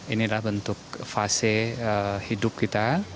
inilah bentuk fase hidup kita